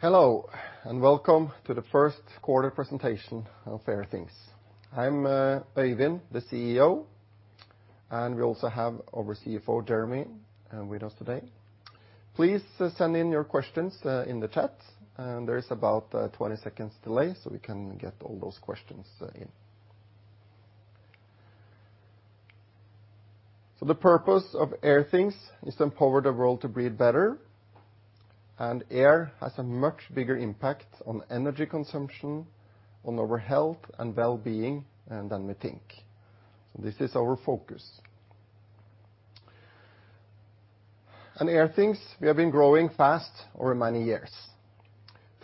Hello, and welcome to the First Quarter presentation of Airthings. I'm Øyvind, the CEO, and we also have our CFO, Jeremy, with us today. Please send in your questions in the chat, and there is about a 20-seconds delay, so we can get all those questions in. The purpose of Airthings is to empower the world to breathe better, and air has a much bigger impact on energy consumption, on our health and well-being than we think. This is our focus. Airthings, we have been growing fast over many years.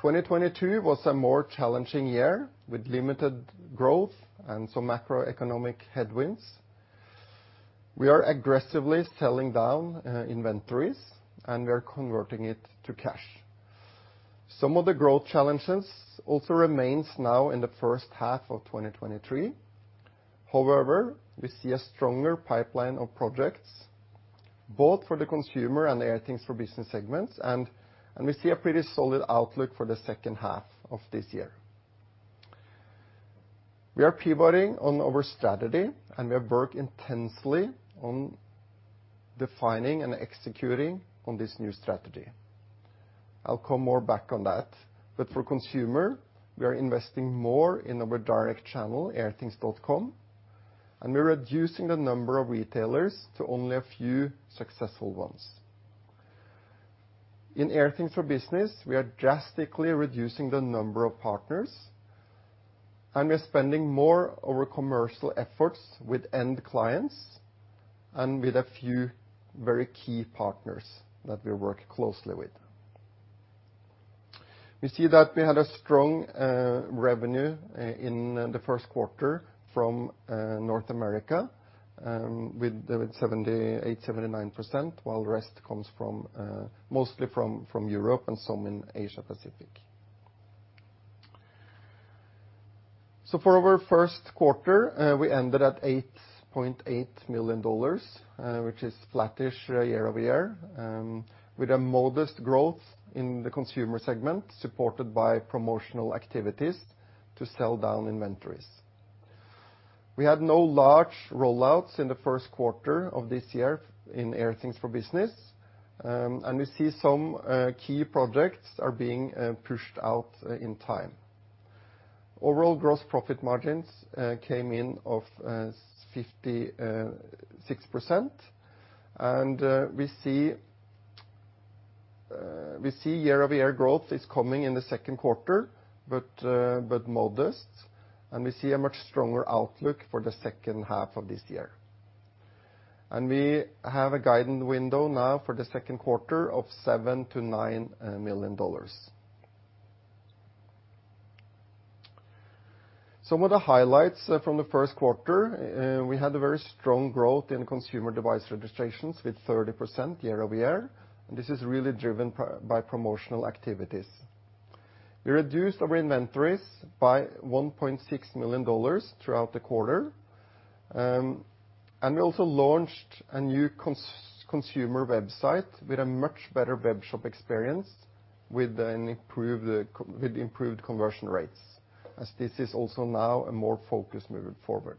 2022 was a more challenging year, with limited growth and some macroeconomic headwinds. We are aggressively selling down inventories, and we are converting it to cash. Some of the growth challenges also remain now in the first half of 2023. We see a stronger pipeline of projects, both for the consumer and Airthings for Business segments, and we see a pretty solid outlook for the second half of this year. We are pivoting on our strategy, and we have worked intensely on defining and executing on this new strategy. I'll come more back on that. For consumer, we are investing more in our direct channel, airthings.com, and we're reducing the number of retailers to only a few successful ones. In Airthings for Business, we are drastically reducing the number of partners, and we're spending more of our commercial efforts with end clients and with a few very key partners that we work closely with. We see that we had a strong revenue in the first quarter from North America, with the 78%, 79%, while the rest comes from mostly from Europe and some in Asia Pacific. For our first quarter, we ended at $8.8 million, which is flattish year-over-year, with a modest growth in the consumer segment, supported by promotional activities to sell down inventories. We had no large rollouts in the first quarter of this year in Airthings for Business, and we see some key projects are being pushed out in time. Overall gross profit margins came in of 56%, and we see year-over-year growth is coming in the second quarter, but modest, and we see a much stronger outlook for the second half of this year. We have a guidance window now for the second quarter of $7–$9 million. Some of the highlights from the first quarter, we had a very strong growth in consumer device registrations with 30% year-over-year, and this is really driven by promotional activities. We reduced our inventories by $1.6 million throughout the quarter, and we also launched a new consumer website with a much better webshop experience with improved conversion rates, as this is also now a more focus moving forward.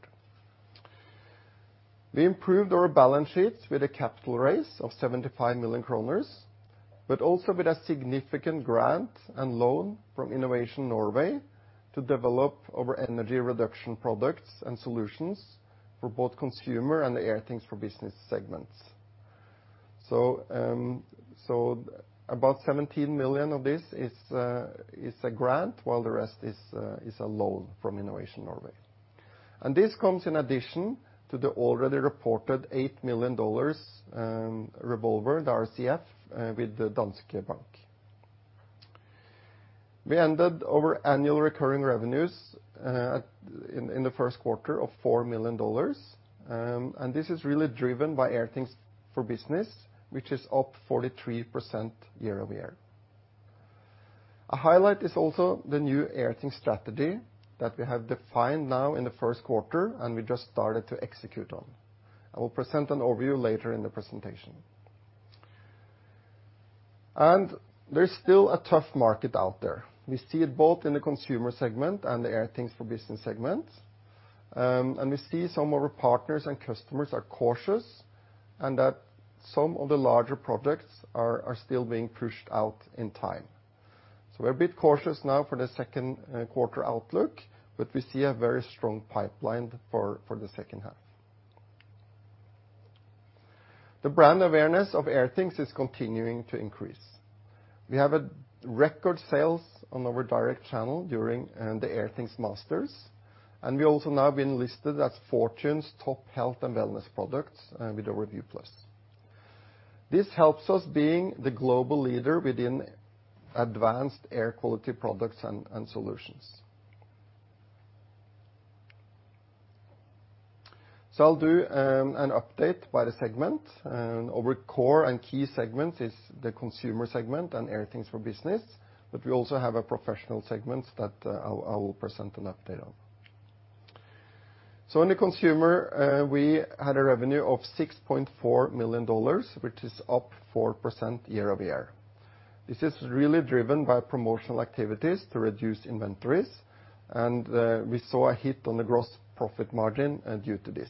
We improved our balance sheets with a capital raise of 75 million kroner, but also with a significant grant and loan from Innovation Norway to develop our energy reduction products and solutions for both consumer and the Airthings for Business segments. About $17 million of this is a grant, while the rest is a loan from Innovation Norway. This comes in addition to the already reported $8 million revolver, the RCF, with the Danske Bank. We ended our annual recurring revenues at, in the first quarter of $4 million, this is really driven by Airthings for Business, which is up 43% year-over-year. A highlight is also the new Airthings strategy that we have defined now in the first quarter and we just started to execute on. I will present an overview later in the presentation. There is still a tough market out there. We see it both in the consumer segment and the Airthings for Business segment, we see some of our partners and customers are cautious and that some of the larger projects are still being pushed out in time. We're a bit cautious now for the second quarter outlook, but we see a very strong pipeline for the second half. The brand awareness of Airthings is continuing to increase. We have record sales on our direct channel during the Airthings Masters, we also now been listed as Fortune's top health and wellness products with a Review Plus. This helps us being the global leader within advanced air quality products and solutions. I'll do an update by the segment. Our core and key segment is the consumer segment and Airthings for Business, but we also have a professional segment that I will present an update of. In the consumer, we had a revenue of $6.4 million, which is up 4% year-over-year. This is really driven by promotional activities to reduce inventories, and we saw a hit on the gross profit margin due to this.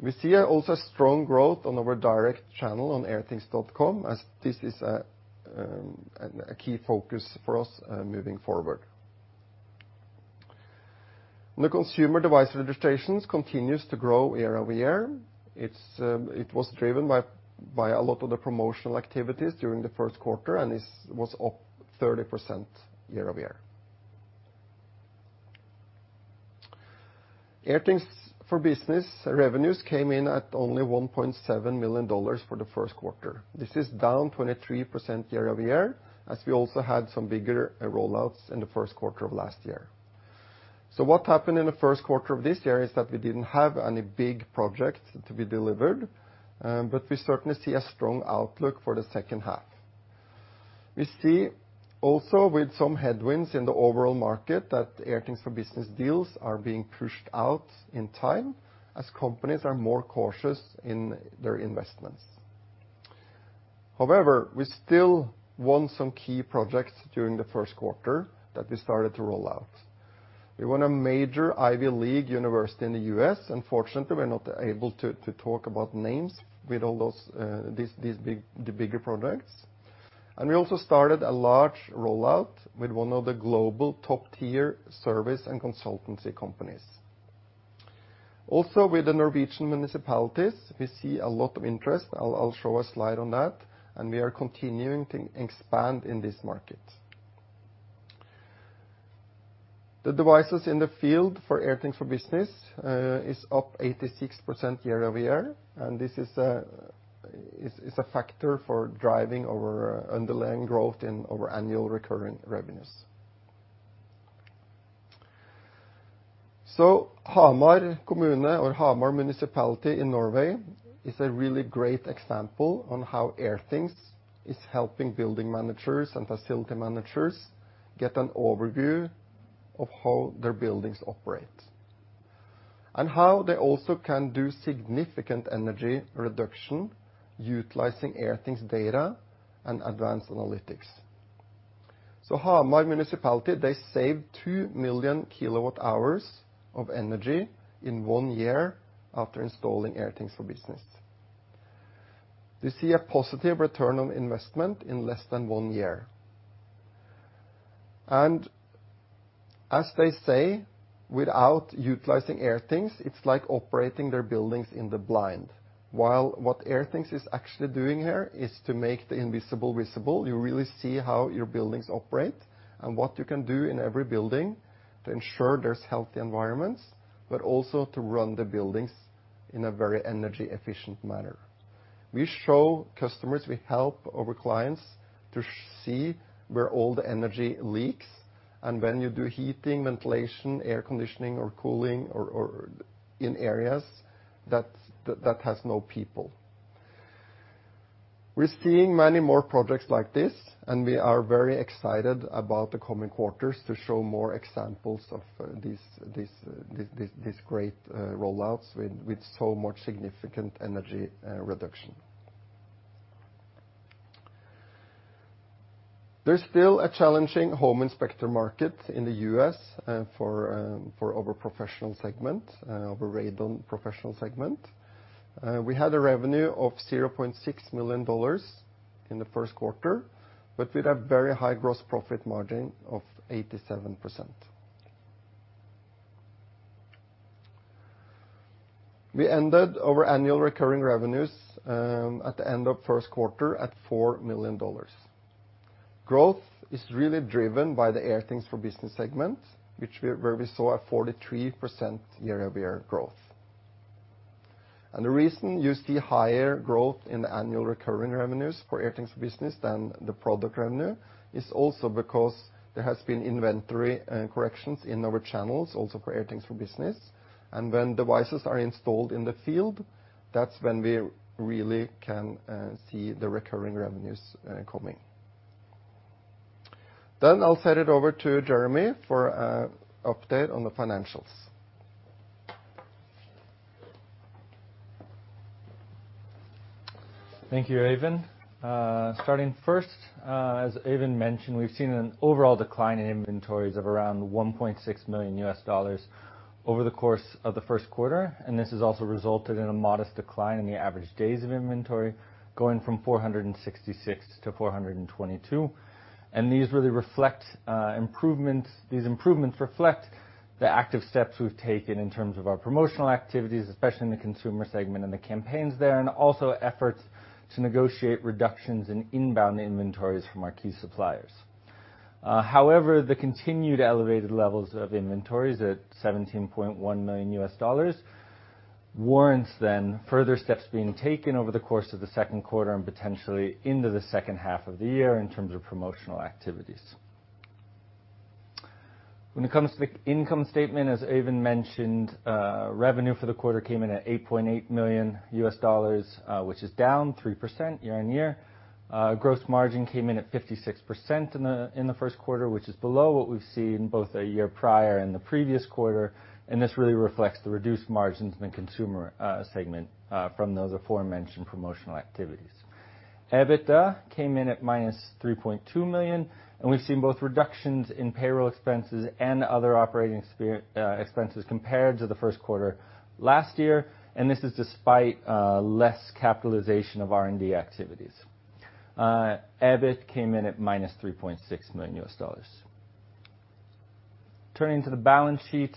We see also strong growth on our direct channel on airthings.com as this is a key focus for us moving forward. The consumer device registrations continues to grow year-over-year. It's, it was driven by a lot of the promotional activities during the first quarter, and this was up 30% year-over-year. Airthings for Business revenues came in at only $1.7 million for the first quarter. This is down 23% year-over-year as we also had some bigger rollouts in the first quarter of last year. What happened in the first quarter of this year is that we didn't have any big projects to be delivered, but we certainly see a strong outlook for the second half. We see also with some headwinds in the overall market that Airthings for Business deals are being pushed out in time as companies are more cautious in their investments. However, we still won some key projects during the first quarter that we started to roll out. We won a major Ivy League university in the U.S. Unfortunately, we're not able to talk about names with all those the bigger projects. We also started a large rollout with one of the global top-tier service and consultancy companies. Also, with the Norwegian municipalities, we see a lot of interest. I'll show a slide on that, and we are continuing to expand in this market. The devices in the field for Airthings for Business is up 86% year-over-year, and this is a factor for driving our underlying growth in our annual recurring revenues. Hamar Kommune or Hamar Municipality in Norway is a really great example on how Airthings is helping building managers and facility managers get an overview of how their buildings operate and how they also can do significant energy reduction utilizing Airthings data and advanced analytics. Hamar Municipality, they saved 2 million kWh of energy in one year after installing Airthings for Business. They see a positive return on investment in less than one year. As they say, without utilizing Airthings, it's like operating their buildings in the blind. What Airthings is actually doing here is to make the invisible visible. You really see how your buildings operate and what you can do in every building to ensure there's healthy environments, also to run the buildings in a very energy-efficient manner. We show customers, we help our clients to see where all the energy leaks, when you do heating, ventilation, air conditioning or cooling or in areas that has no people. We're seeing many more projects like this, we are very excited about the coming quarters to show more examples of these great rollouts with so much significant energy reduction. There's still a challenging home inspector market in the U.S., for our professional segment, our Radon Professional segment. We had a revenue of $0.6 million in the first quarter, but with a very high gross profit margin of 87%. We ended our annual recurring revenues at the end of first quarter at $4 million. Growth is really driven by the Airthings for Business segment, where we saw a 43% year-over-year growth. The reason you see higher growth in the annual recurring revenues for Airthings for Business than the product revenue is also because there has been inventory corrections in our channels also for Airthings for Business. When devices are installed in the field, that's when we really can see the recurring revenues coming. I'll hand it over to Jeremy for an update on the financials. Thank you, Øyvind. Starting first, as Øyvind mentioned, we've seen an overall decline in inventories of around $1.6 million over the course of the first quarter. This has also resulted in a modest decline in the average days of inventory going from 466–422. These improvements reflect the active steps we've taken in terms of our promotional activities, especially in the consumer segment and the campaigns there, and also efforts to negotiate reductions in inbound inventories from our key suppliers. However, the continued elevated levels of inventories at $17.1 million warrants then further steps being taken over the course of the second quarter and potentially into the second half of the year in terms of promotional activities. When it comes to the income statement, as Øyvind mentioned, revenue for the quarter came in at $8.8 million, which is down 3% year-on-year. Gross margin came in at 56% in the first quarter, which is below what we've seen both the year prior and the previous quarter, and this really reflects the reduced margins in the consumer segment from those aforementioned promotional activities. EBITDA came in at -$3.2 million. We've seen both reductions in payroll expenses and other operating expenses compared to the first quarter last year. This is despite less capitalization of R&D activities. EBIT came in at -$3.6 million. Turning to the balance sheet,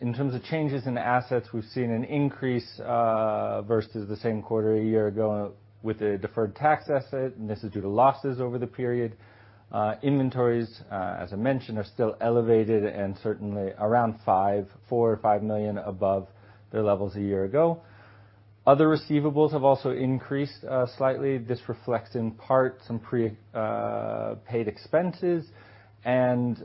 in terms of changes in assets, we've seen an increase versus the same quarter a year ago with the deferred tax asset. This is due to losses over the period. Inventories, as I mentioned, are still elevated and certainly around $4 million or $5 million above their levels a year ago. Other receivables have also increased slightly. This reflects in part some prepaid expenses and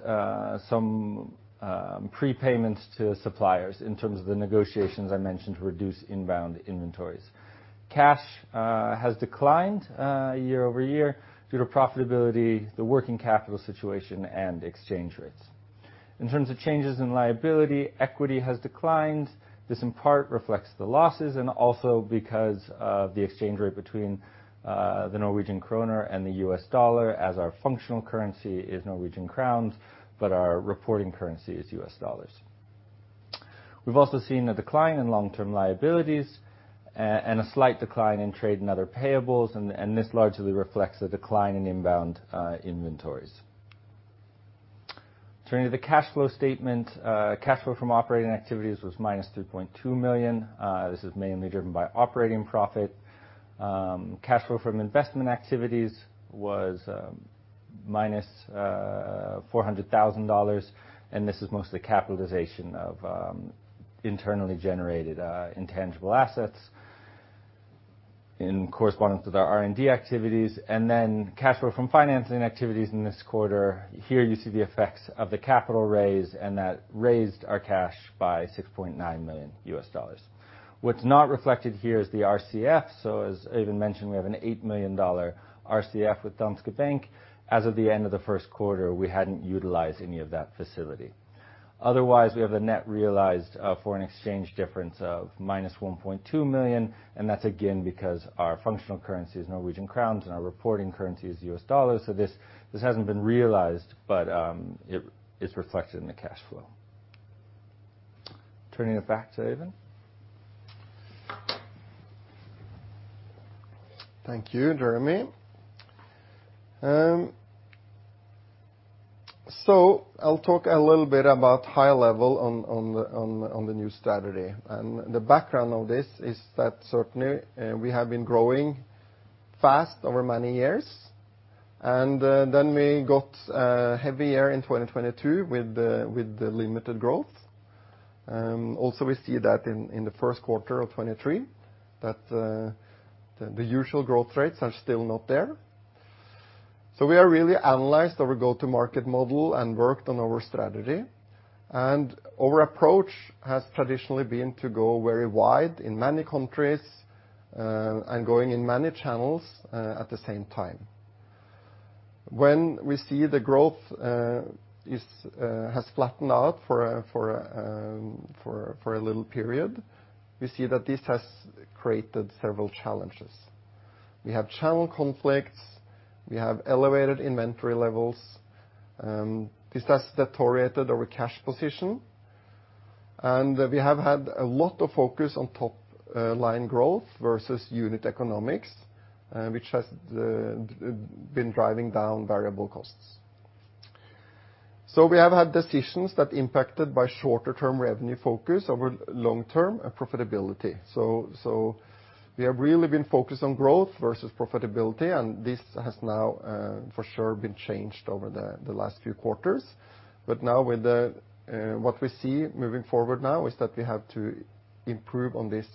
some prepayments to suppliers in terms of the negotiations I mentioned to reduce inbound inventories. Cash has declined year-over-year due to profitability, the working capital situation, and exchange rates. In terms of changes in liability, equity has declined. This in part reflects the losses and also because of the exchange rate between the Norwegian kroner and the U.S. dollar as our functional currency is Norwegian kroner, but our reporting currency is U.S. dollars. We've also seen a decline in long-term liabilities and a slight decline in trade and other payables, and this largely reflects the decline in inbound inventories. Turning to the cash flow statement, cash flow from operating activities was -$3.2 million. This is mainly driven by operating profit. Cash flow from investment activities was -$400,000, and this is mostly capitalization of internally generated intangible assets in correspondence with our R&D activities. Then cash flow from financing activities in this quarter, here you see the effects of the capital raise, and that raised our cash by $6.9 million. What's not reflected here is the RCF. As Øyvind mentioned, we have an $8 million RCF with DNB. As of the end of the first quarter, we hadn't utilized any of that facility. Otherwise, we have a net realized foreign exchange difference of -$1.2 million, and that's again because our functional currency is Norwegian kroner and our reporting currency is U.S. dollar. This hasn't been realized, but it is reflected in the cash flow. Turning it back to Øyvind. Thank you, Jeremy. I'll talk a little bit about high level on the new strategy. The background of this is that certainly we have been growing fast over many years, and then we got a heavy year in 2022 with the limited growth. Also we see that in the first quarter of 2023 that the usual growth rates are still not there. We are really analyzed our go-to-market model and worked on our strategy. Our approach has traditionally been to go very wide in many countries, and going in many channels at the same time. When we see the growth has flattened out for a little period, we see that this has created several challenges. We have channel conflicts, we have elevated inventory levels, this has deteriorated our cash position, we have had a lot of focus on top line growth versus unit economics, which has been driving down variable costs. We have had decisions that impacted by shorter term revenue focus over long-term profitability. We have really been focused on growth versus profitability, and this has now for sure been changed over the last few quarters. With what we see moving forward now is that we have to improve on this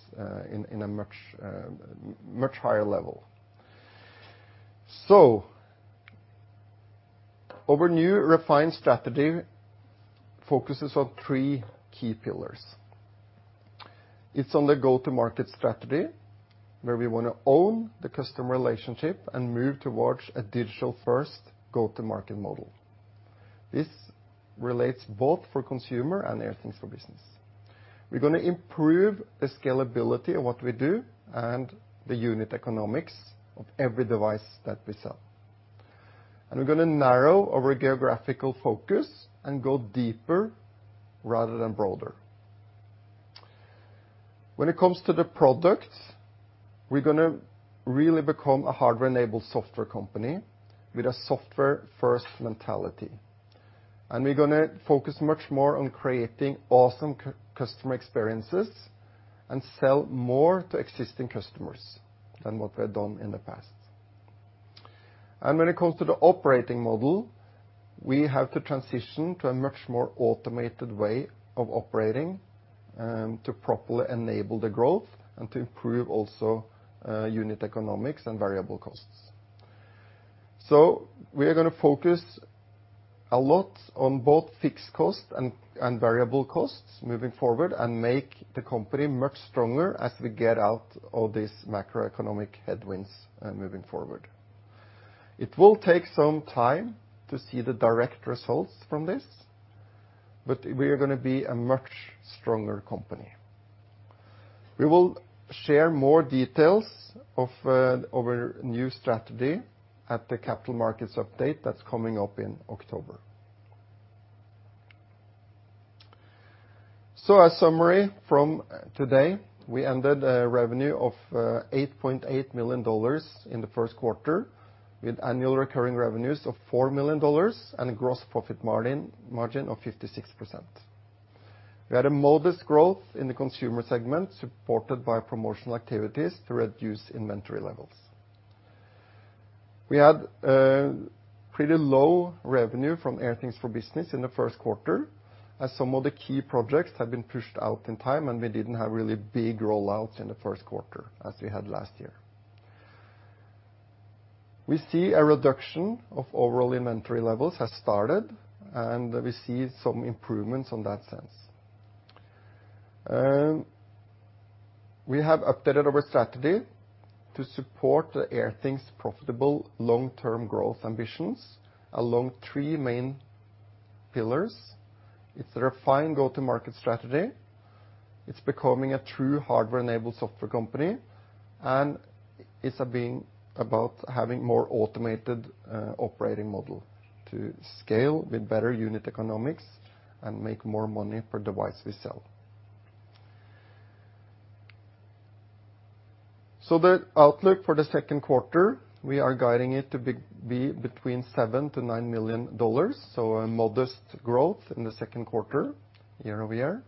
in a much higher level. Our new refined strategy focuses on three key pillars. It's on the go-to-market strategy, where we wanna own the customer relationship and move towards a digital first go-to-market model. This relates both for consumer and Airthings for Business. We're gonna improve the scalability of what we do and the unit economics of every device that we sell. We're gonna narrow our geographical focus and go deeper rather than broader. When it comes to the products, we're gonna really become a hardware-enabled software company with a software-first mentality. We're gonna focus much more on creating awesome customer experiences and sell more to existing customers than what we have done in the past. When it comes to the operating model, we have to transition to a much more automated way of operating to properly enable the growth and to improve also, unit economics and variable costs. We are gonna focus a lot on both fixed costs and variable costs moving forward and make the company much stronger as we get out of these macroeconomic headwinds, moving forward. It will take some time to see the direct results from this, but we are gonna be a much stronger company. We will share more details of our new strategy at the capital markets update that's coming up in October. A summary from today, we ended a revenue of $8.8 million in the first quarter, with annual recurring revenues of $4 million and a gross profit margin of 56%. We had a modest growth in the consumer segment, supported by promotional activities to reduce inventory levels. We had pretty low revenue from Airthings for Business in the first quarter, as some of the key projects have been pushed out in time, and we didn't have really big rollouts in the first quarter, as we had last year. We see a reduction of overall inventory levels has started. We see some improvements on that sense. We have updated our strategy to support Airthings' profitable long-term growth ambitions along three main pillars. It's a refined go-to-market strategy, it's becoming a true hardware-enabled software company, and it's about having more automated operating model to scale with better unit economics and make more money per device we sell. The outlook for the second quarter, we are guiding it to be between $7 million–$9 million, so a modest growth in the second quarter year-over-year.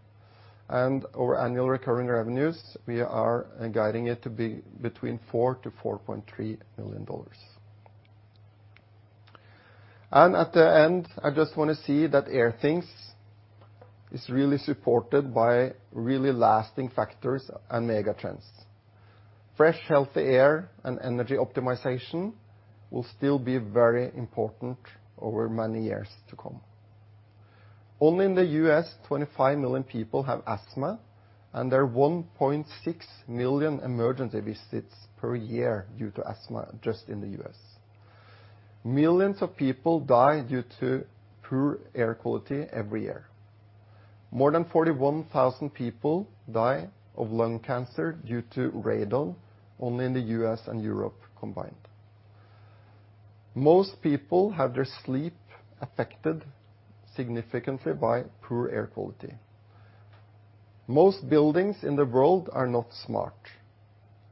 Our annual recurring revenues, we are guiding it to be between $4 million–$4.3 million. At the end, I just wanna say that Airthings is really supported by really lasting factors and megatrends. Fresh, healthy air and energy optimization will still be very important over many years to come. Only in the U.S., 25 million people have asthma, and there are 1.6 million emergency visits per year due to asthma just in the U.S. Millions of people die due to poor air quality every year. More than 41,000 people die of lung cancer due to radon only in the U.S. and Europe combined. Most people have their sleep affected significantly by poor air quality. Most buildings in the world are not smart.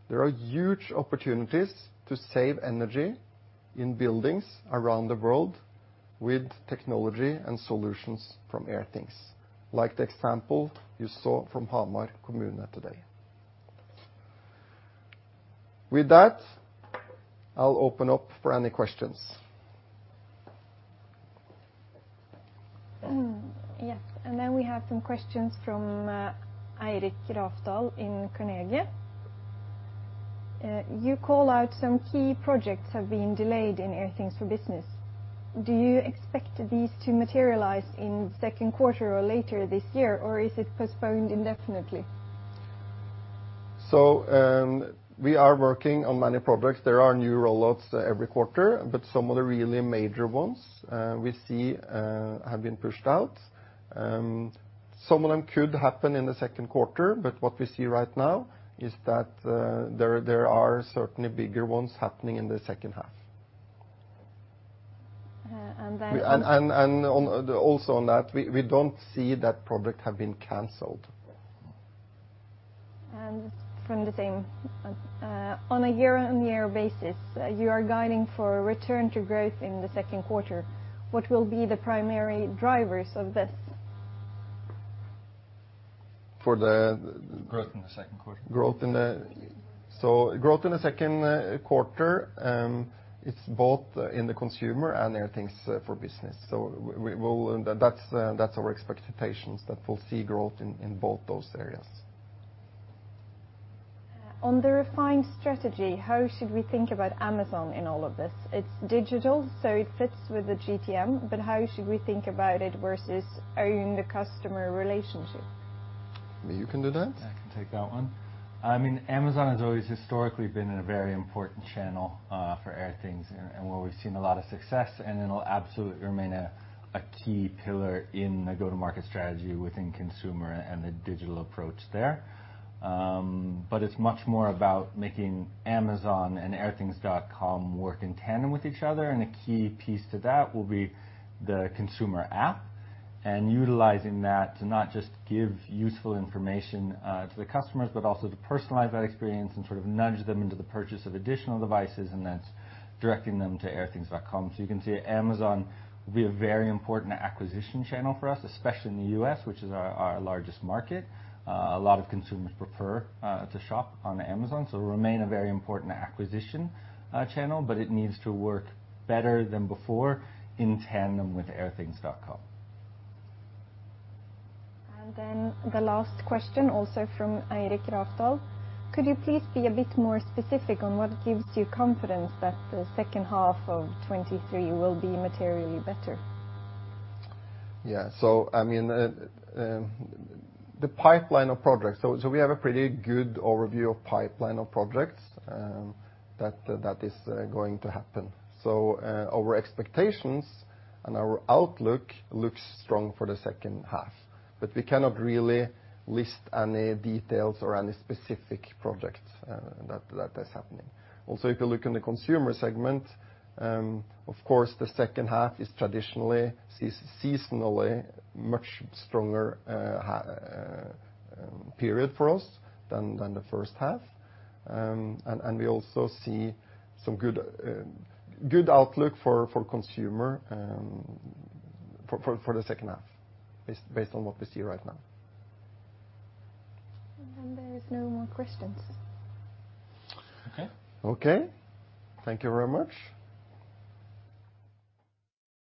There are huge opportunities to save energy in buildings around the world with technology and solutions from Airthings, like the example you saw from Hamar Kommune today. With that, I'll open up for any questions. We have some questions from Eirik Rafdal in Carnegie. You call out some key projects have been delayed in Airthings for Business. Do you expect these to materialize in second quarter or later this year, or is it postponed indefinitely? We are working on many projects. There are new rollouts every quarter, but some of the really major ones, we see, have been pushed out. Some of them could happen in the second quarter, but what we see right now is that there are certainly bigger ones happening in the second half. Uh, and then- Also on that, we don't see that project have been canceled. From the same, on a year-on-year basis, you are guiding for return to growth in the second quarter. What will be the primary drivers of this? For the Growth in the second quarter. Growth in the second quarter, it's both in the consumer and Airthings for Business. That's our expectations, that we'll see growth in both those areas. On the refined strategy, how should we think about Amazon in all of this? It's digital, so it fits with the GTM, but how should we think about it versus owning the customer relationship? You can do that. I can take that one. I mean, Amazon has always historically been a very important channel for Airthings and where we've seen a lot of success, and it'll absolutely remain a key pillar in the go-to-market strategy within consumer and the digital approach there. It's much more about making Amazon and airthings.com work in tandem with each other, and a key piece to that will be the consumer app and utilizing that to not just give useful information to the customers, but also to personalize that experience and sort of nudge them into the purchase of additional devices, and that's directing them to airthings.com. You can see Amazon will be a very important acquisition channel for us, especially in the U.S., which is our largest market. A lot of consumers prefer to shop on Amazon, so it'll remain a very important acquisition channel, but it needs to work better than before in tandem with airthings.com. The last question also from Eirik Rafdal. Could you please be a bit more specific on what gives you confidence that the second half of 2023 will be materially better? Yeah. I mean, the pipeline of projects. We have a pretty good overview of pipeline of projects that is going to happen. Our expectations and our outlook looks strong for the second half, but we cannot really list any details or any specific projects that is happening. If you look in the consumer segment, of course, the second half is traditionally, seasonally much stronger period for us than the first half. We also see some good outlook for consumer for the second half based on what we see right now. There is no more questions. Okay. Okay. Thank you very much.